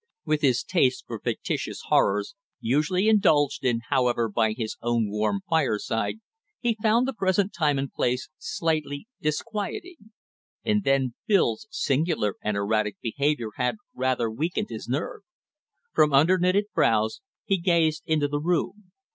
With his taste for fictitious horrors, usually indulged in, however, by his own warm fireside, he found the present time and place slightly disquieting; and then Bill's singular and erratic behavior had rather weakened his nerve. From under knitted brows he gazed into the room.